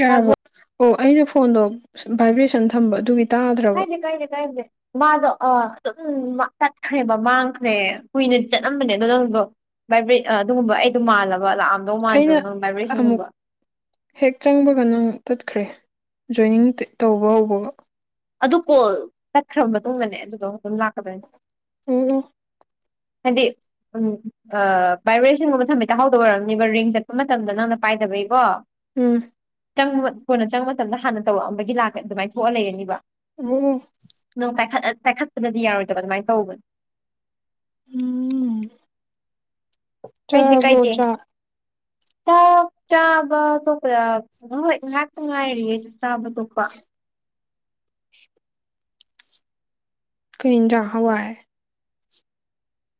ꯌꯥꯔꯕꯣ ꯇꯥꯕ꯭ꯔꯣ ꯑꯣ ꯑꯩꯅ ꯐꯣꯟꯗꯣ ꯚꯥꯏꯕ꯭ꯔꯦꯁꯟ ꯊꯝꯕ ꯑꯗꯨꯒꯤ ꯇꯥꯗ꯭ꯔꯕ ꯀꯥꯏꯗꯦ ꯀꯥꯏꯗꯦ ꯀꯥꯏꯗꯦ ꯃꯥꯗꯣ ꯑ ꯑꯗꯨꯝ ꯇꯠꯈ꯭ꯔꯦꯕ ꯃꯥꯡꯈ꯭ꯔꯦ ꯀꯨꯏꯅ ꯆꯠꯂꯝꯕꯅꯦ ꯑꯗꯨ ꯅꯪꯗꯣ ꯚꯏꯕ꯭ꯔꯤꯠ ꯑꯗꯨꯒꯨꯝꯕ ꯑꯩꯗꯣ ꯃꯥꯜꯂꯕ ꯂꯥꯛꯑꯃ ꯑꯩꯅ ꯑꯃꯨꯛ ꯍꯦꯛ ꯆꯪꯕꯒ ꯅꯪ ꯇꯠꯈ꯭ꯔꯦ ꯖꯣꯏꯅꯤꯡ ꯇꯧꯕ ꯍꯧꯕꯒ ꯑꯗꯨ ꯀꯣꯜ ꯇꯥꯠꯈ꯭ꯔꯕ ꯃꯇꯨꯡꯗꯅꯦ ꯑꯗꯨꯗꯣ ꯑꯗꯨꯝ ꯂꯥꯛꯀꯗꯣꯏꯅꯦ ꯎꯝ ꯎꯝ ꯍꯥꯏꯗꯤ ꯎꯝ ꯚꯥꯏꯕ꯭ꯔꯦꯁꯟꯒꯨꯝꯕ ꯊꯃꯤꯠꯇ ꯍꯥꯎꯗꯕ ꯑꯣꯏꯔꯝꯅꯤꯕ ꯔꯤꯡ ꯆꯠꯄ ꯃꯇꯝꯗ ꯅꯪꯅ ꯄꯥꯏꯗꯕꯩꯀꯣ ꯎꯝ ꯆꯪꯕ ꯀꯣꯟꯅ ꯆꯪꯕ ꯃꯇꯝꯗ ꯍꯥꯟꯅ ꯇꯧꯔꯛꯑꯝꯕꯒꯤ ꯂꯥꯛꯀ ꯑꯗꯨꯃꯥꯏꯅ ꯊꯣꯛꯑ ꯂꯩꯔꯅꯤꯕ ꯎꯝ ꯅꯪꯥꯏꯠ ꯀꯥꯏꯈꯠꯄꯗꯗꯤ ꯌꯥꯔꯣꯏꯗꯕ ꯑꯗꯨꯃꯥꯏꯅ ꯇꯧꯕꯅꯦ ꯎꯝ ꯀꯥꯏꯗꯤ ꯆꯥꯔꯕꯣ ꯀꯥꯏꯗꯤ ꯆꯥꯛ ꯆ ꯆꯥꯕ ꯇꯣꯄ ꯍꯣꯏ ꯉꯥꯏꯍꯥꯛꯇꯪ ꯉꯥꯏꯔꯤꯌꯦ ꯆꯥꯕ ꯇꯣꯄ ꯁ꯭ꯀꯔꯤꯟꯖꯥ ꯍꯋꯥꯏ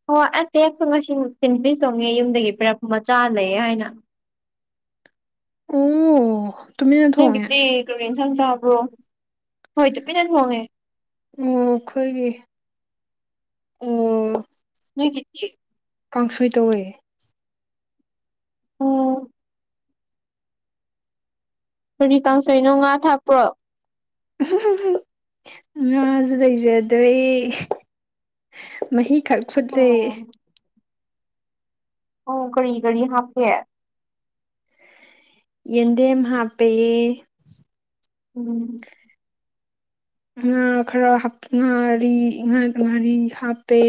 ꯍꯣꯏ ꯑ ꯇꯦꯛꯄ ꯉꯁꯤ ꯊꯤꯟꯕꯤ ꯆꯣꯡꯉꯦ ꯌꯨꯝꯗꯒꯤ ꯄꯤꯔꯛꯄ ꯃꯆꯥ ꯂꯩ ꯍꯥꯏꯅ ꯑꯣ ꯇꯨꯃꯤꯟꯅ ꯊꯣꯡꯉꯦ ꯅꯪꯒꯤꯗꯤ ꯀꯔꯤ ꯌꯦꯟꯁꯥꯡ ꯆꯥꯕ꯭ꯔꯣ ꯍꯣꯏ ꯇꯨꯄꯤꯅ ꯊꯣꯡꯉꯦ ꯎ ꯑꯩꯈꯣꯏꯒꯤ ꯑꯣ ꯃꯤ ꯆꯦ ꯀꯥꯡꯁꯣꯏ ꯇꯧꯋꯦ ꯎꯝ ꯀꯔꯤ ꯀꯥꯡꯁꯣꯏꯅꯣ ꯉꯥ ꯊꯥꯛꯄ꯭ꯔꯣ ꯉꯥꯁꯨ ꯂꯩꯖꯗ꯭ꯔꯦ ꯃꯍꯤ ꯈꯜ ꯐ ꯂꯩ ꯑꯣ ꯑꯣ ꯀꯔꯤ ꯀꯔꯤ ꯍꯥꯞꯀꯦ ꯌꯦꯗꯦꯝꯦꯝ ꯍꯥꯞꯄꯦꯌꯦ ꯎꯝ ꯉꯥ ꯈꯔ ꯍꯥꯞ ꯉꯔꯤ ꯉꯥ ꯉꯥꯔꯤ ꯍꯥꯞꯄꯦ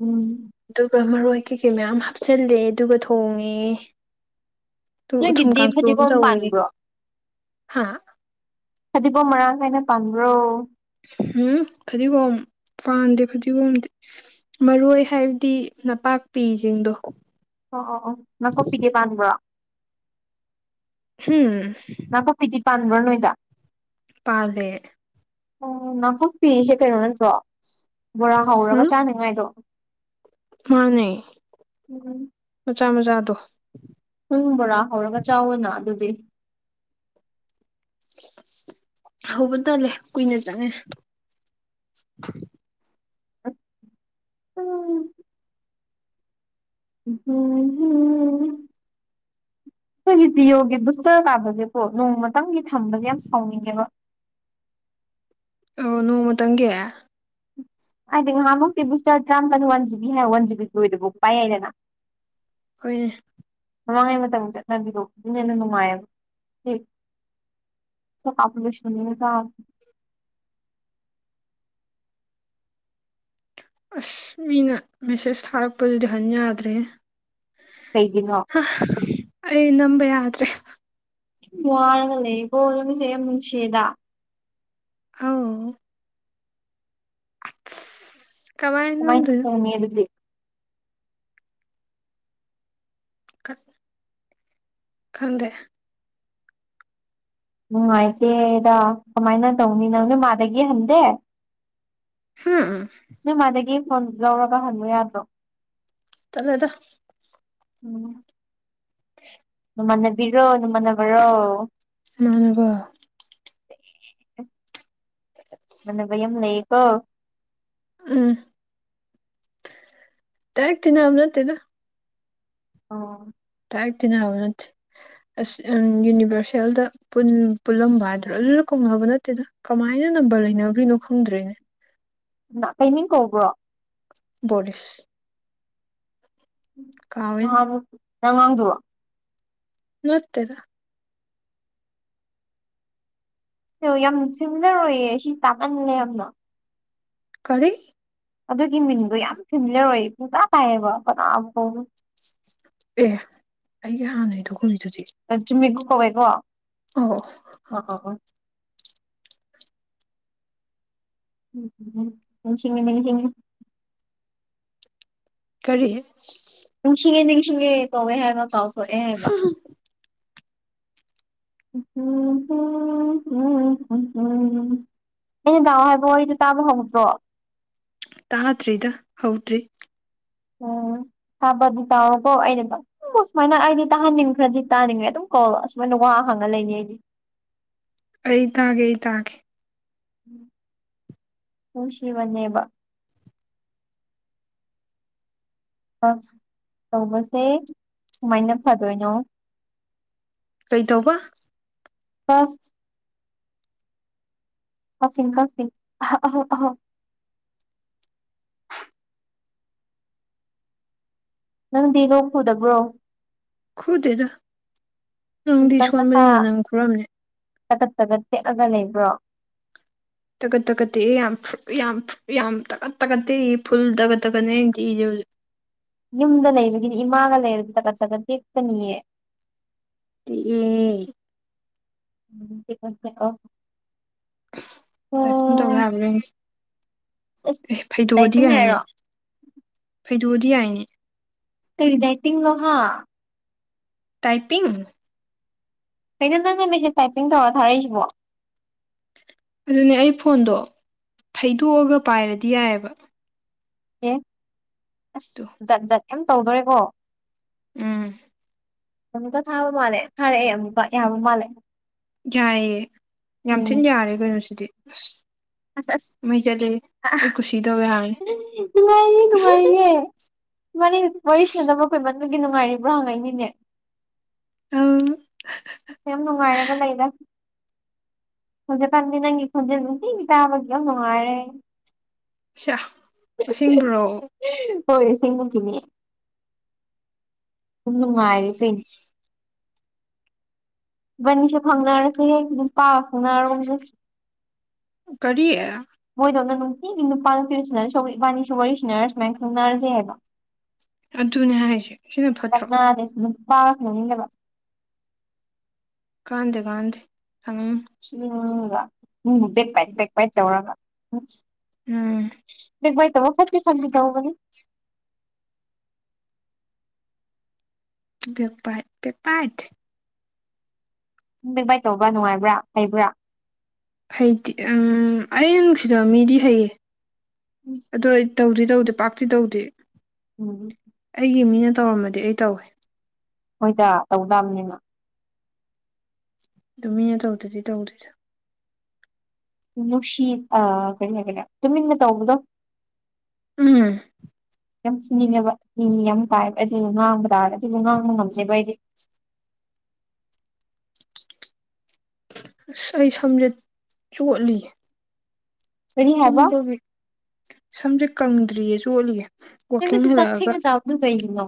ꯎꯝ ꯑꯗꯨꯒ ꯃꯔꯣꯏ ꯀꯩꯀꯩ ꯃꯌꯥꯝ ꯍꯥꯞꯆꯤꯜꯂꯦ ꯑꯗꯨꯒ ꯊꯣꯡꯉꯦ ꯇꯨ ꯎꯊꯨꯝ ꯅꯣꯏꯒꯤꯗꯤ ꯀꯥꯡꯁꯨ ꯑꯃ ꯐꯗꯤꯒꯣꯝ ꯇꯧꯏ ꯄꯥꯟꯕ꯭ꯔꯣ ꯍꯥ ꯐꯗꯤꯐꯣ ꯃꯔꯥꯡ ꯀꯥꯏꯅ ꯄꯥ꯭ꯔꯣ ꯎꯝ ꯐꯗꯤꯒꯣꯝ ꯄꯥꯟꯗꯦ ꯐꯗꯤꯒꯣꯝꯗꯤ ꯃꯔꯣꯏ ꯍꯥꯏꯕꯗꯤ ꯅꯄꯥꯛꯄꯤꯁꯤꯡꯗꯣ ꯑꯣ ꯑꯣ ꯑꯣ ꯅꯥꯀꯨꯞꯄꯤꯒꯦ ꯄꯥꯟꯕ꯭ꯔꯣ ꯍꯝ ꯅꯥꯀꯨꯞꯄꯤꯤꯗꯤ ꯄꯥꯟꯕ꯭ꯔꯣ ꯅꯣꯏꯗ ꯄꯥꯂꯦ ꯑꯣ ꯅꯥꯀꯣꯛꯄꯤꯔꯤꯁꯦ ꯀꯩꯅꯣ ꯅꯠꯇ꯭ꯔꯣ ꯕꯣꯔꯥ ꯎꯝ ꯍꯧꯔꯒ ꯆꯥꯅꯤꯉꯥꯏꯗꯣ ꯃꯥꯅꯦ ꯃꯆꯥ ꯃꯆꯥꯗꯣ ꯄꯨꯡ ꯕꯣꯔꯥ ꯍꯧꯔꯒ ꯆꯥꯎꯋꯦꯅ ꯑꯗꯨꯗꯤ ꯍꯧꯕ ꯇꯜꯂꯦ ꯀꯨꯏꯅ ꯆꯪꯉꯦ [inaudible] [inaudible] [unintelligible] ꯑꯩꯈꯣꯏꯒꯤ ꯖꯤꯌꯣꯒꯤ ꯕꯨꯁꯇꯔ ꯀꯥꯕꯁꯦꯀꯣ ꯅꯣꯡꯃꯇꯪꯒꯤ ꯊꯝꯕꯁꯦ ꯌꯥꯝ ꯁꯥꯎꯅꯤꯡꯉꯦꯕ ꯑꯣ ꯅꯣꯡꯃꯇꯪꯒꯤ ꯍꯥꯏꯗꯤ ꯉꯥꯏꯍꯥꯃꯨꯛꯇꯤ ꯕꯨꯁꯇꯔ ꯇꯔꯥꯝꯄ ꯋꯥꯟ ꯖꯤꯕꯤ ꯍꯥꯏꯔ ꯋꯥꯟ ꯖꯤꯕꯤ ꯂꯣꯏꯗꯕꯐꯥꯎ ꯄꯥꯏ ꯌꯥꯏꯗꯅ ꯍꯨꯏ ꯃꯃꯥꯡꯉꯩ ꯃꯇꯝ ꯆꯠꯅꯕꯤꯗꯣ ꯑꯗꯨꯝ ꯍꯦꯟꯅ ꯅꯨꯡꯉꯥꯏꯌꯦꯕ ꯄꯣꯄꯨꯂꯦꯁꯟ ꯑꯁ ꯃꯤꯅ ꯃꯦꯁꯦꯁ ꯊꯥꯔꯛꯄꯗꯨꯗꯤ ꯍꯟ ꯌꯥꯗ꯭ꯔꯦ ꯀꯩꯒꯤꯅꯣ ꯑ ꯑꯩ ꯅꯝꯕ ꯌꯥꯗ꯭ꯔꯦ ꯃꯔꯒ ꯂꯩ ꯏꯕꯁꯁꯤꯗ ꯑ [inaudible] ꯀꯃꯥꯏ ꯅꯝꯗꯣꯏꯅꯣ ꯊꫭꯡꯉꯤ ꯑꯗꯨꯗꯤ [unintelligible] ꯈꯪꯗꯦ ꯅꯨꯡꯉꯥꯏꯇꯦꯗ ꯀꯃꯥꯏꯅ ꯇꯧꯅꯤ ꯅꯪ ꯅꯨꯃꯥꯗꯒꯤ ꯍꯟꯗꯦ [unintelligible] ꯅꯣꯏ ꯃꯥꯗꯒꯤ ꯐꯣꯟ ꯂꯧꯔꯒ ꯍꯟꯕ ꯌꯥꯗ꯭ꯔꯣ ꯇꯜꯂꯦꯗ ꯎꯝ ꯅꯃꯅꯕꯤꯔꯣ ꯅꯅꯨꯡꯃꯅꯕ꯭ꯔꯣ ꯏꯃꯥꯟꯅꯕ ꯃꯅꯕ ꯌꯥꯝ ꯂꯩꯀꯣ ꯎꯝ ꯗꯥꯏꯔꯦꯛ ꯇꯤꯟꯅꯕ ꯅꯠꯇꯦꯗ ꯑꯣ ꯗꯥꯏꯔꯦꯛ ꯇꯤꯟꯅꯕ ꯅꯠꯇꯦ ꯑꯁ ꯌꯨꯅꯤꯚꯔꯁꯦꯜꯗ ꯄꯨꯟ ꯄꯨꯜꯂꯝꯕ ꯍꯥꯏꯗ꯭ꯔꯥ ꯑꯗꯨꯖꯨ ꯀꯧꯅꯕ ꯅꯠꯇꯦꯗ ꯀꯃꯥꯏꯅ ꯅꯝꯕꯔ ꯂꯩꯅꯗ꯭ꯔꯤꯅꯣ ꯈꯪꯗ꯭ꯔꯦꯅꯦ ꯀꯩꯅꯤꯡ ꯀꯧꯕ꯭ꯔꯣ ꯕꫭꯔꯤꯁ ꯀꯥꯎꯋꯦꯅꯦ ꯅꯍꯥꯟꯃꯨꯛꯀꯤ ꯑꯉꯥꯡꯗꯨꯔꫭ ꯅꯠꯇꯦꯗ ꯌꯥꯝ ꯐꯤꯃꯤꯂꯔ ꯑꯣꯏꯌꯦ ꯁꯤꯁꯦ ꯇꯥꯛꯍꯟꯅꯤꯡꯉꯦ ꯌꯥꯝꯅ ꯀꯔꯤ ꯑꯗꯨꯒꯤ ꯃꯤꯡꯗꯣ ꯌꯥꯝ ꯐꯦꯃꯤꯂꯔ ꯑꯣꯏ ꯄꯨꯡꯇꯥ ꯇꯥꯏꯌꯦꯕ ꯀꯅꯥꯕꯨ ꯀꯧꯕꯅꫭ ꯑꯦ ꯑꯩꯒꯤ ꯍꯥꯟꯅꯩꯗꯣ ꯀꯧꯔꯤꯗꯨꯗꯤ ꯆꯨꯝꯃꯤꯀꫭ ꯀꯧꯋꯦꯀꯣ ꯑꯣꯑꫭ [unintelligible] [unintelligible] ꯃꯃꯤꯠꯁꯤꯡꯉꯦ ꯃꯃꯤꯠꯁꯤꯡꯉꯦ ꯀꯔꯤ ꯅꯤꯡꯁꯤꯡꯉꯦ ꯅꯤꯡꯁꯤꯡꯉꯦ ꯀꯧꯋꯦ ꯍꯥꯏꯕ ꯀꯥꯎꯊꯣꯛꯑꯦ ꯍꯥꯏꯕ [inaudible] [unintelligible] ꯑꯩꯩꯅ ꯇꯥꯎꯑꫭ ꯍꯥꯏꯕ ꯋꯥꯔꯤꯗꯣ ꯇꯥꯕ ꯍꯧꯗ꯭ꯔꯣ ꯇꯥꯗ꯭ꯔꯤꯗ ꯍꯧꯗ꯭ꯔꯤ ꯎꯝ ꯊꯥꯕꯗꯤ ꯇꯑꯣ ꯀꯣ [unintelligible] ꯁꯨꯃꯥꯏꯅ ꯑꯩꯗꯤ ꯇꯥꯍꯟꯅꯤꯡꯈ꯭ꯔꯗꯤ ꯇꯥꯅꯤꯡꯉꯦ ꯑꯗꯨꯝ ꯀꯧꯂ ꯑꯁꯨꯃꯥꯏꯅ ꯋꯥ ꯍꯪꯉꯒ ꯂꯩꯅꯤ ꯑꯩꯗꯤ ꯑꯩ ꯇꯒꯦ ꯑꯩ ꯇꯒꯦ ꯅꯨꯡꯁꯤꯕꯅꯦꯕ ꯑ ꯇꯧꯕꯁꯦ ꯀꯃꯥꯏꯅ ꯐꯗꯣꯏꯅꯣ ꯀꯩꯇꯧꯕ [unintelligible] ꯀꯛꯆꯤꯟ ꯀꯛꯆꯤꯡ [unintelligible] ꯅꯪꯗꯤ ꯂꯣꯛ ꯄꯨꯗꯕ꯭ꯔꯣ ꯈꯨꯗꯦꯗ ꯅꯪꯗꯤ ꯈꯖꯤꯛꯀꯥꯟ ꯅꯁꯥ ꯁꯣꯟꯕꯅꯤꯅ ꯅꯪ ꯈꯨꯔꯝꯅꯤ ꯇꯀꯠ ꯇꯒꯠ ꯇꯦꯛꯑꯒ ꯂꯩꯕ꯭ꯔꯣ ꯇꯀꯠ ꯇꯀꯠꯇꯦ ꯌꯥꯝ ꯐꯨ ꯌꯥꯝ ꯐꯨ ꯌꯥꯝ ꯇꯀꯠ ꯇꯛꯠ ꯇꯦꯛꯏ ꯐꯨꯜ ꯇꯒꯠ ꯇꯒꯠꯅꯤ ꯑꯩ ꯇꯦꯛꯏꯁꯤ ꯍꯧꯖꯤꯛ ꯌꯨꯝꯗ ꯂꯩꯕꯒꯤꯗꯤ ꯏꯃꯥꯒ ꯂꯩꯔꯗꯤ ꯇꯒꯠ ꯇꯒꯠ ꯇꯦꯛꯀꯅꯤꯌꯦ [unintelligible] [unintelligible] ꯇꯥꯏꯄꯤꯡ ꯇꯧ ꯌꯥꯕ꯭ꯔ ꯌꯦꯡꯒꯦ ꯑꯁ ꯑꯦ ꯐꯩꯗꯣꯛꯑꯗꯤ ꯗꯥꯏꯇꯤꯡ ꯌꯥꯏꯅꯦ ꯍꯥꯏꯔꯣ ꯐꯩꯗꯣꯛꯑꯗꯤ ꯌꯥꯏꯅꯦ ꯀꯩ ꯗꯥꯏꯇꯤꯡ ꯂꯣꯍꯥ ꯇꯥꯏꯄꯤꯡ ꯀꯩꯅꯣ ꯅꯪꯅ ꯃꯦꯁꯦꯁ ꯇꯥꯏꯄꯤꯡ ꯇꯧꯔꯒ ꯊꯥꯔꯛꯏꯁꯤꯕꯣ ꯑꯗꯨꯅꯦ ꯑꯩ ꯐꯣꯟꯗꯣ ꯐꯩꯗꯣꯛꯑꯒ ꯄꯥꯏꯔꯗꯤ ꯌꯥꯏꯑꯕ ꯑꯣ ꯑꯁ ꯑꯗꯣ ꯖꯠ ꯖꯠ ꯌꯥꯝ ꯇꯧꯗꯣꯔꯦꯀꯣ ꯎꯝ ꯑꯃꯨꯛꯀ ꯊꯥꯕ ꯃꯥꯜꯂꯦ ꯊꯥꯔꯛꯑꯦ ꯑꯃꯨꯛꯀ ꯌꯥꯕ ꯃꯥꯜꯂꯦ ꯌꯥꯏꯌꯦ ꯌꯥꯝ ꯎꯝ ꯊꯤꯅ ꯌꯥꯔꯦ ꯀꯩꯅꯣꯁꯤꯗꯤ ꯑꯁ ꯑꯁ ꯑꯁ ꯃꯩ ꯆꯠꯂꯦ ꯑꯩ ꯀꯨꯁꯤ ꯇꯧꯋꯦ ꯍꯥꯏꯕꯅꯤ [unintelligible] ꯅꯨꯡꯉꯥꯏꯔꯤꯌꯦ ꯏꯕꯥꯟꯅꯤ ꯋꯥꯔꯤꯁꯤꯅꯗꯕ ꯀꯨꯏꯃꯥꯟ ꯉꯤ ꯅꯨꯡꯉꯥꯏꯔꯤꯕ꯭ꯔꯣ ꯍꯪꯉꯛꯏꯅꯤꯅꯦ ꯑꯁ ꯌꯥꯝ ꯅꯨꯡꯉꯥꯏꯔꯒ ꯂꯩꯗ ꯍꯧꯖꯤꯛ ꯀꯟꯁꯦ ꯅꯪ ꯈꯣꯟꯖꯦꯟ ꯅꯨꯡꯇꯤꯒꯤ ꯇꯕꯒꯤ ꯌꯥꯝ ꯅꯨꯡꯉꯥꯏꯌ ꯑꯁꯦꯡ ꯕꯥꯔꯣ ꯍꯣꯏ ꯁꯦꯡꯅꯅꯤ ꯅꯨꯡꯉꯥꯏ ꯀꯩꯅꯣ ꯏꯕꯅꯤ ꯁꯨ ꯈꯪꯅꯔꯁꯤ ꯅꯨꯄꯥꯒ ꯈꯪꯅꯔ ꯒꯨꯝꯁꯤ ꯀꯔꯤ ꯃꯣꯏꯗꯧꯅ ꯅꯨꯡꯇꯤꯒꯤ ꯅꯨꯄꯥ ꯅꯨꯄꯤꯁꯤꯅ ꯏꯕꯥꯅꯤꯁꯨ ꯋꯥꯔꯤꯁꯤꯅꯔ ꯁꯨꯃꯥꯏꯅ ꯁꯪꯅꯔꯁꯦ ꯍꯥꯏꯕ ꯑꯗꯨꯅꯦ ꯍꯥꯏꯁꯦ ꯁꯤꯅ ꯐꯠꯇ꯭ꯔꯣ ꯀꯅꯥꯗꯦ ꯅꯨ ꯁꯅꯥꯅꯤꯡꯗꯕ ꯀꯥꯟꯗꯦ ꯀꯥꯟꯗꯦ ꯁꯥꯅꯧꯅꯨ [unintelligible] ꯃꯤꯕꯨ ꯕꯦꯛ ꯕꯤꯗ ꯕꯦꯛ ꯕꯦꯗ ꯇꯧꯔꯒ ꯎꯝ ꯕꯦꯛ ꯕꯦꯗ [unintelligible] ꯕꯦꯛ ꯕꯦꯗ ꯕꯦꯛ ꯕꯦꯗ ꯕꯦꯛ ꯕꯤ ꯇꯧꯕ ꯅꯨꯡꯉꯥꯏꯕ꯭ꯔꯥ ꯍꯩꯕ꯭ꯔꯥ ꯍꯩꯇꯦ ꯑꯩꯩꯅ ꯅꯨꯡꯁꯤꯗꯕ ꯃꯤꯗꯤ ꯍꯩꯌꯦ ꯎꯝ ꯑꯗꯣ ꯑꯩ ꯇꯧꯗꯤ ꯇꯧꯗꯦ ꯄꯥꯛꯇꯤ ꯇꯧꯗꯦ ꯎꯝ ꯑꯩꯒꯤ ꯃꯤꯅ ꯇꯧꯔꯝꯃꯗꯤ ꯑꯩ ꯇꯧꯏ ꯍꯣꯏꯗ ꯇꯧꯗꯕꯅꯤꯅ ꯑꯗꯨ ꯃꯤ ꯑꯆꯧꯗ꯭ꯔꯗꯤ ꯇꯧꯗꯣꯏꯁꯥ ꯅꯨꯡꯁꯤꯠ ꯀꯩ ꯍꯥꯏꯈꯦ ꯇꯨꯃꯤꯟꯅ ꯇꯧꯕꯗꯣ ꯎꯝ ꯌꯥꯝ ꯁꯨꯅꯤꯡꯉꯦꯕ ꯃꯤ ꯌꯥꯝ ꯀꯥꯏꯕ ꯑꯗꯨ ꯉꯥꯡꯕ ꯇꯥꯔꯦ ꯑꯗꯨꯕꯨ ꯉꯥꯡꯕ ꯉꯝꯅꯦꯕ ꯑꯩꯗꯤ ꯑꯁ ꯑꯩ ꯁꯝꯁꯦꯠ ꯆꯣꯠꯂꯤ ꯀꯔꯤ ꯍꯥꯏꯕ ꯇꯨꯝꯕꯒꯤ ꯁꯝꯁꯦ ꯀꯪꯗ꯭ꯔꯤꯌꯦꯁꯨ ꯑꯣꯠꯂꯤꯌꯦ ꯁꯤ ꯆꯊ ꯆꯥ ꯀꯩꯅꯣ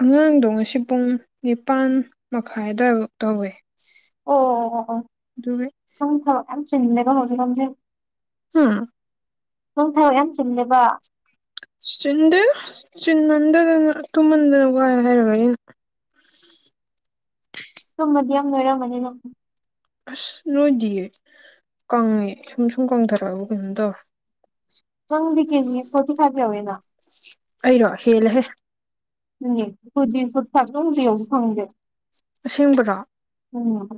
ꯑꯉꯥꯡꯗꯣ ꯉꯁꯤ ꯄꯨꯡ ꯅꯤꯄꯥꯟ ꯃꯈꯥꯏꯗꯐꯛ ꯇꯧꯋꯤ ꯑꯣ ꯑꯣ ꯑꯣ ꯑꯣꯪ ꯊꯕ ꯌꯥꯝ ꯆꯤꯟꯗꯦꯀꯣ ꯍꯧꯖꯤꯛ ꯈꯪꯁꯦ ꯍꯥꯝ ꯅꯅꯨꯡ ꯊꯕꯛ ꯌꯥꯝ ꯆꯤꯂꯦꯕ ꯆꯤꯟꯗꯦ ꯆꯤꯟꯃꯟꯗꯗꯅ ꯇꯨꯝꯃꯟꯗꯅ ꯋꯥꯏ ꯍꯥꯏꯔꯕꯅꯤꯅ ꯇꯨꯝꯃꯗꯤ ꯌꯥꯝ ꯅꯣꯏꯔꯝꯝꯕꯅꯤ ꯅꯪ ꯑꯁ ꯅꯣꯏꯗꯤꯉꯦ ꯁꯨꯝ ꯁꯨꯝ ꯀꯪꯊꯔꯛꯑꯕ ꯀꯩꯅꯣꯝ ꯇꯧꯔꯦ꯫ ꯆꯪꯗꯒꯤ ꯀꯦꯒꯤ ꯐꯣꯔꯇꯤ ꯐꯤꯞ ꯌꯧꯔꯦꯅ ꯑꯩꯔꯣ ꯍꯦꯜꯂꯍꯦ [unintelligible] ꯑꯁꯦꯡꯕꯗꯣ ꯑꯁ ꯎꯝ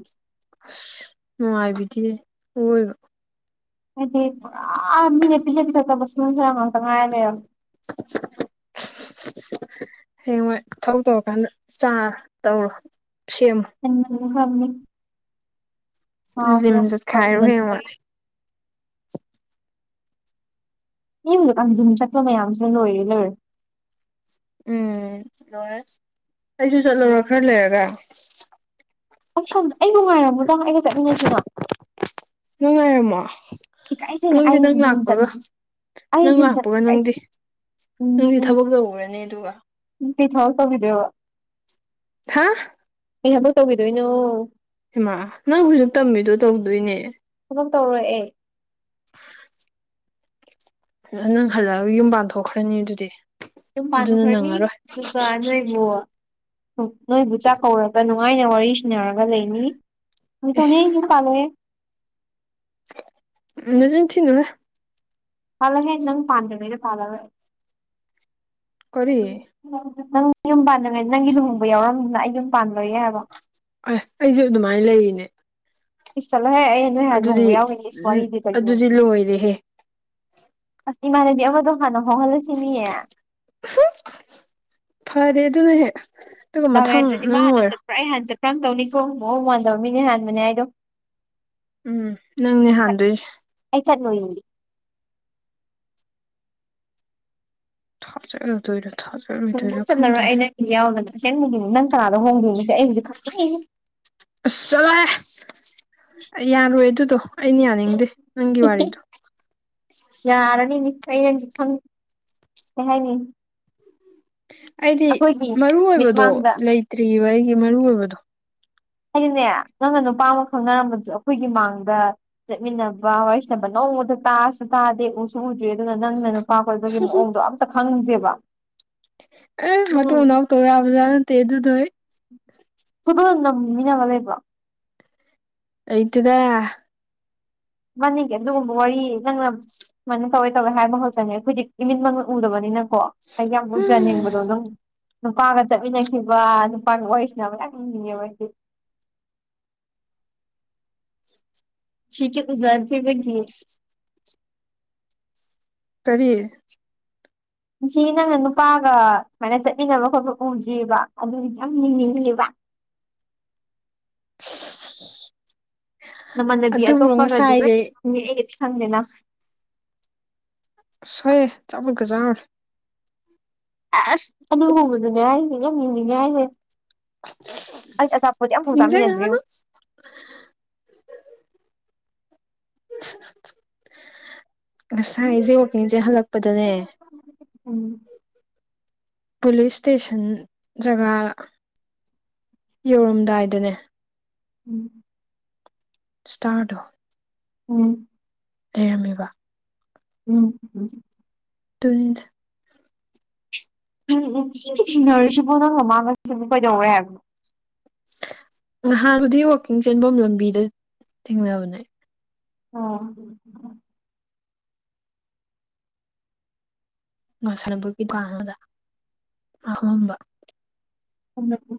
ꯅꯨꯡꯉꯥꯏꯕꯤꯗꯤ ꯑꯣꯏꯣꯏꯕ ꯍꯥꯏꯗꯤ ꯄꯨꯔꯥ ꯃꯤꯅꯦ ꯄꯤꯖ ꯄꯤꯊꯛꯇꯕ ꯁꯔꯨ ꯁꯔꯟ ꯉꯥꯛꯇ ꯉꯥꯏꯔ ꯂꯩꯔꯣ [unintelligible] ꯍꯌꯦꯡꯋꯥ ꯊꯧ ꯇꯧꯔꯀꯥꯟꯗ ꯆꯥꯔ ꯇꯧꯔꯣ ꯁꯦꯝꯃꯣ ꯎꯝ ꯍ ꯖꯤꯝꯖꯠ ꯈꯥꯏꯔꯣ ꯍꯦꯉꯣꯏ ꯇꯟꯃꯟꯕꯒꯤ ꯌꯨꯝꯗꯀꯨꯝ ꯆꯠꯄ ꯃꯌꯥꯝꯁꯤ ꯂꯣꯏꯔꯦ ꯂꯣꯏꯔꯦ ꯎꯝ ꯂꯣꯏꯔꯦ ꯑꯩꯁꯨ ꯆꯠꯂꯨꯔ ꯈꯔ ꯂꯩꯔꯒ ꯑꯩ ꯁꯣꯝꯗ ꯑꯩ ꯅꯨꯡꯉꯥꯏꯔꯝꯃꯣꯗ ꯑꯩꯒ ꯆꯠꯃꯤꯟꯅꯁꯤꯅꯣ ꯅꯨꯡꯉꯥꯏꯔꯝꯃꯣ ꯏꯀꯥꯏꯖꯩ ꯅꯪꯗꯤ ꯑꯩ ꯅꯪ ꯖꯤꯝ ꯂꯥꯛꯄꯒ ꯆꯠꯅꯤꯡ ꯑꯩ ꯅꯪ ꯖꯤꯝ ꯆꯠꯄ ꯂꯥꯛꯄꯒ ꯅꯪꯗꯤ ꯏꯀꯥꯏꯖꯩ ꯅꯪꯗꯤ ꯊꯕꯛ ꯇ ꯎꯔꯅꯤ ꯑꯗꯨꯒ [unintelligible] ꯊꯥꯎ ꯇꯧꯕꯗꯦꯕ ꯍꯥꯥ ꯀ ꯍꯐꯛ ꯇꯧꯈꯤꯗꯣꯏꯅꯣ ꯏꯃꯥ ꯅꯪ ꯍꯧꯖꯤꯛ ꯇꯝꯃꯤꯗꯣ ꯇꯧꯗꯣꯏꯅꯦ ꯑꯗꯨꯕꯛ ꯇꯧꯔ ꯑꯦ ꯅꯪ ꯍꯜꯂꯛꯑꯒ ꯌꯨꯝ ꯄꯥꯟ ꯊꯣꯛꯣꯛꯈ꯭ꯔꯅꯤ ꯑꯗꯨꯗꯤ ꯌꯝ ꯑꯗꯨꯅ ꯄꯥꯟꯅꯨꯈ꯭ꯔꯅꯤ ꯅꯪꯉꯔꯣꯏ ꯑꯗꯨꯒ ꯅꯣꯏꯕꯨ ꯅꯣꯏꯕꯨ ꯆꯥꯛꯀꯧꯔꯅꯤ ꯅꯨꯡꯉꯥꯏꯅ ꯋꯥꯔꯤ ꯁꯟꯅꯔꯒ ꯂꯩꯅꯤ ꯑꯗꯨꯇꯧꯅꯦꯁꯨ ꯄꯥꯜꯂꯛꯑꯦ ꯅꯖ ꯊꯅ ꯂ ꯄꯥꯜꯂꯒꯦ ꯅꯪ ꯄꯥꯟꯗ꯭ꯉꯩꯗ ꯄꯥꯜꯂꯒ ꯀꯔꯤ ꯅꯪ ꯌꯨꯝ ꯄꯥꯟꯉꯥꯏ ꯅꯪꯒꯤ ꯂꯨꯍꯣꯡꯕ ꯌꯥꯎꯔꯝꯗꯨꯅ ꯑꯩ ꯑꯗꯨꯝ ꯄꯥꯟꯂꯣꯏꯌꯦ ꯍꯥꯏꯕ ꯑ ꯑꯩꯁꯨꯦ ꯑꯗꯨꯃꯥꯏꯅ ꯂꯩꯔꯤꯅꯦ ꯏꯁꯤꯁ ꯆꯂꯍꯦ ꯑꯩ ꯅꯣꯏꯍꯥꯟ ꯅꯣꯡꯕ ꯌꯥꯎꯋꯅꯦ ꯏꯁ ꯋꯥꯔꯤꯗꯤ ꯀꯩꯌꯣ ꯂꯣꯏꯗ ꯍꯦ ꯑ ꯁꯤ ꯏꯃꯅꯗꯤꯈꯗ ꯍꯥꯟꯅꯍꯣꯍꯜꯂꯦ ꯁꯤꯃꯤꯌꯦꯦ ꯐꯔꯦ ꯑꯗꯨꯅ ꯍꯦꯛ ꯑꯗꯨꯒ ꯃꯊꯪ ꯅꯪ ꯑꯣꯏꯔꯣ ꯄꯨꯔ ꯑꯩ ꯍꯥꯟ ꯆꯠꯄ꯭ꯔꯥ ꯑꯃ ꯇꯧꯅꯤꯀꯣ ꯃꯑꯣꯡ ꯃꯥꯟꯗꯕ ꯃꯤꯅꯦ ꯍꯥꯟꯕꯅꯦ ꯍꯥꯏꯗꯣ ꯎꯝ ꯅꯪꯅꯦ ꯍꯥꯟꯗꯣꯏꯁꯦ ꯑꯩ ꯈꯠꯅꯣꯌꯦꯗꯤ ꯊꯅꯣꯏꯔꯦ ꯁꯨꯡꯆꯠ ꯆꯠꯂꯔꯣꯏ ꯑꯩꯅ ꯌꯥꯎꯗꯅ ꯑꯁꯦꯡꯕꯒꯤ ꯅꯪ ꯀꯅꯥꯗꯣ ꯍꯣꯡꯗꯣꯏꯅꯁꯦ ꯑꯩ ꯍꯧꯖꯤꯛ ꯈꯛꯇꯪ ꯑꯁꯂꯦ ꯌꯥꯔꯣꯏ ꯑꯗꯨꯗꯣ ꯑꯩꯅ ꯌꯥꯅꯤꯡꯗꯦ ꯅꯪꯒꯤ ꯋꯥꯔꯤꯗꯣ ꯌꯥꯔꯅꯤꯅꯦ ꯑꯩ ꯅꯁꯨ ꯈꯪ ꯀꯩ ꯍꯥꯏꯅꯤ ꯑꯩꯗꯤ ꯑꯩꯈꯣꯏꯒꯤ ꯃꯔꯨ ꯑꯣꯏꯕꯗꯣ ꯃꯤꯠꯃꯥꯡꯗ ꯂꯩꯇ꯭ꯔꯤꯑꯔꯤꯕ ꯑꯩꯒꯤ ꯃꯔꯨꯏꯕꯗꯣ ꯍꯥꯏꯗꯤꯅꯦ ꯅꯪꯅ ꯅꯨꯄꯥ ꯑꯃ ꯈꯪꯅꯔꯝꯕꯁꯨ ꯑꯩꯈꯣꯏꯒꯤ ꯃꯥꯡꯗ ꯆꯠꯃꯤꯟꯅꯕ ꯋꯥꯔꯤ ꯁꯅꯕ ꯅꯣꯡꯃꯗ ꯇꯥꯑꯁꯨ ꯇꯥꯗꯦ ꯎꯁꯨ ꯎꯗ꯭ꯔꯔꯤ ꯑꯗꯨꯅ ꯅꯪꯅ ꯏꯃꯥ ꯀꯣꯏꯕꯒꯤ ꯃꯑꯣꯡꯗꯣ ꯑꯝꯇ ꯈꯪꯁꯦꯕ ꯑꯦ ꯃ ꯎꯅꯎ ꯇꯧꯋꯕꯖꯥ ꯇꯦꯗꯨꯗꯣꯏ ꯁꯗ ꯅ ꯃꯤꯅ ꯋꯥ ꯂꯩꯕ ꯑꯩꯗꯨꯗ ꯃꯅꯤꯡꯉꯦ ꯑꯗꯨꯒꯨꯝꯕ ꯋꯥꯔꯤ ꯅꯪꯅ ꯁꯨꯃꯥꯏꯅ ꯇꯧꯋꯦ ꯇꯧꯋꯦ ꯍꯥꯏꯕ ꯈꯛꯇꯅꯤ ꯑꯩꯈꯣꯏꯗꯤ ꯏꯃꯤꯠ ꯃꯜ ꯎꯗꯕꯅꯤꯅꯀꯣ ꯑꯩ ꯌꯥꯝ ꯍꯨꯝ ꯎꯖꯅꯤꯡꯕꯗꯣ ꯑꯗꯨꯝ ꯅꯨꯄꯥꯒ ꯆꯠꯃꯤꯟꯅꯈꯤꯕ ꯅꯨꯄꯥꯒ ꯑꯣꯏꯁꯤꯅꯕ ꯌꯥꯝ ꯌꯦꯡꯅꯤꯡꯉꯦ ꯃꯣꯏꯗꯤ ꯆꯤꯛꯦ ꯎꯖꯥ ꯐꯕꯒꯤ ꯀꯔꯤꯌꯦ ꯁꯤ ꯅꯪꯅ ꯅꯨꯄꯥꯒ ꯁꯨꯃꯥꯏꯅ ꯆꯠꯃꯤꯟꯅꯕ ꯈꯣꯠꯄ ꯎꯗ꯭ꯔꯤꯕ ꯑꯗꯨꯒꯤꯁꯨ ꯌꯥꯝ ꯌꯦꯡꯅꯤꯡꯉꯦꯕ [inaudible] ꯅꯃꯥꯟꯅꯕꯤ ꯑꯗꯨꯕꯨ ꯑꯇꯣꯞꯄꯒꯗꯤ ꯉꯁꯥꯏꯗꯤ ꯂꯣꯏꯪꯅꯤ ꯑꯩꯒꯗꯤ ꯈꯪꯗꯦꯅ ꯁꯣꯏꯑꯦ ꯆꯄꯜꯒꯖꯥꯔ ꯑ ꯑꯁ ꯑꯃ ꯂꯨꯍꯣꯡꯕꯗꯨꯅꯦ ꯍꯥꯏꯁꯦ ꯌꯥꯝ ꯃꯤꯅꯤꯅꯦ ꯍꯥꯏꯁꯦ ꯑꯩ ꯑꯆꯥꯄꯣꯠ ꯑꯝꯐꯥꯎ ꯅꯤꯡꯖ ꯆꯥꯃꯤꯟꯅꯗ꯭ꯔꯤ ꯌꯥꯅ [inaudible] ꯉꯁꯥꯏ ꯌꯦꯡꯉꯨ ꯑꯩꯁꯦ ꯋꯥꯛꯀꯤꯡꯁꯦ ꯍꯜꯂꯛꯄꯗꯅꯦ ꯎꯝ ꯄꯨꯂꯤꯁ ꯏꯁꯇꯦꯁꯟ ꯖꯒꯥ ꯌꯧꯔꯝꯗꯥꯏꯗꯅꯦ ꯎꯝ ꯁ꯭ꯇꯥꯔꯗ ꯎꯝ ꯂꯩꯔꯝꯃꯤꯕ ꯎꯝ ꯎꯝ ꯇ ꯎꯝ ꯎꯝ ꯁꯤ ꯊꯤꯡꯅꯔꯨꯁꯤꯕꯣ ꯅꯪ ꯃꯃꯥꯡꯉꯁꯤ ꯑꯃꯨꯛ ꯀꯩꯗꯧꯔꯦ ꯍꯥꯏꯕꯅꯣ ꯅꯍꯥꯟꯕꯨꯗꯤ ꯋꯥꯛꯀꯤꯡ ꯆꯦꯟꯐꯝ ꯂꯝꯕꯤꯗ ꯊꯦꯡꯅꯕꯅꯦ ꯑꯣ ꯉ ꯁꯅꯕꯒꯤ ꯗꯨꯀꯥꯟ ꯑꯃꯗ ꯑꯍꯣꯡꯕ ꯎ